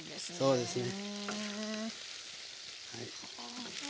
そうですね。